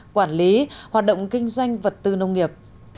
quản lý hoạt động kinh doanh vật tư nông nghiệp